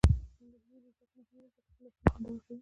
د انګلیسي ژبې زده کړه مهمه ده ځکه چې لوستل خوندور کوي.